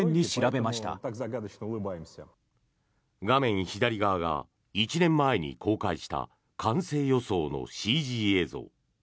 画面左側が１年前に公開した完成予想のＣＧ映像。